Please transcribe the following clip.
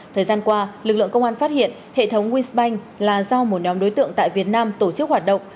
thời gian qua lực lượng công an phát hiện hệ thống wins banh là do một nhóm đối tượng tại việt nam tổ chức hoạt động